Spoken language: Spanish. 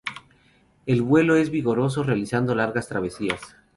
El vuelo es vigoroso, realizando largas travesías.